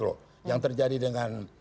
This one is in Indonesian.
loh yang terjadi dengan